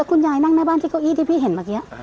คุณยายนั่งหน้าบ้านที่เก้าอี้ที่พี่เห็นเมื่อกี้